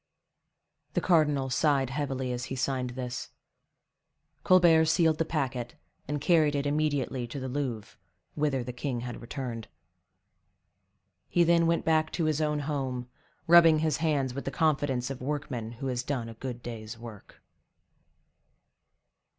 The cardinal sighed heavily as he signed this; Colbert sealed the packet, and carried it immediately to the Louvre, whither the king had returned. He then went back to his own home, rubbing his hands with the confidence of workman who has done a good day's work.